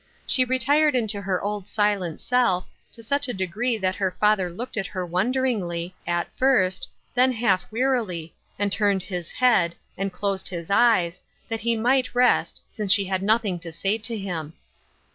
She re tired into her old silent self, to such a degree that the father looked at her wonderingly, at first, then half wearily, and turned his head and 224 Ruth Er shines Crosses, closed his eyes, that he might rest, since she had nothing to say to him.